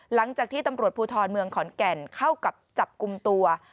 หลังจากที่ตำรวจภูทรเมืองขอนแก่นเข้ากับจับกลุ่มตัว